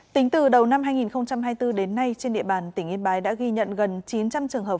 tính từ đầu năm hai nghìn hai mươi bốn đến nay trên địa bàn tỉnh yên bái đã ghi nhận gần chín trăm linh trường hợp